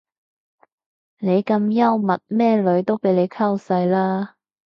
你咁幽默咩女都俾你溝晒啦